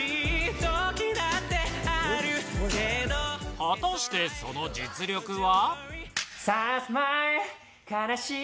果たしてその実力は？